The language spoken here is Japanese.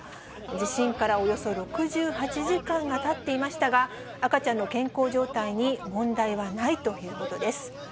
地震からおよそ６８時間がたっていましたが、赤ちゃんの健康状態に問題はないということです。